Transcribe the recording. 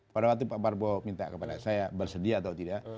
pada waktu pak prabowo minta kepada saya bersedia atau tidak